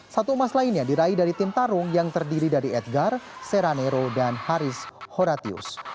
satu emas lainnya diraih dari tim tarung yang terdiri dari edgar seranero dan haris horatius